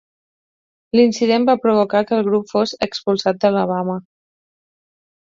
L'incident va provocar que el grup fos "expulsat d'Alabama".